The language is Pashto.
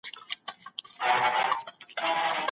ای ګڼو خلګو، دا اوږد ډنډ مه ړنګوئ.